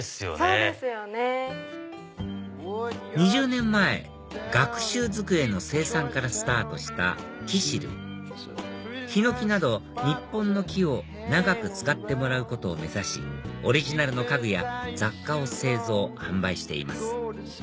２０年前学習机の生産からスタートしたキシルヒノキなど日本の木を長く使ってもらうことを目指しオリジナルの家具や雑貨を製造販売しています